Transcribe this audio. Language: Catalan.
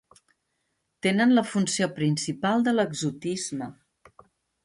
Tenen la funció principal de l'exotisme: